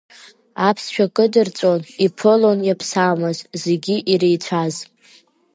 Аԥсшәа кыдырҵәон иԥылон иаԥсамыз, зегьы иреицәаз.